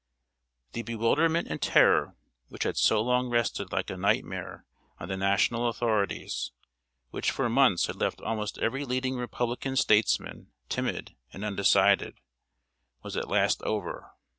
"] The bewilderment and terror which had so long rested like a nightmare on the National authorities which for months had left almost every leading Republican statesman timid and undecided was at last over.